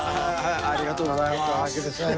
ありがとうございます。